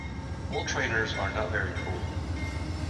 Old trainers are not very cool